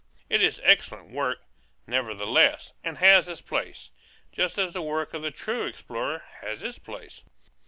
It is excellent work, nevertheless, and has its place, just as the work of the true explorer has its place.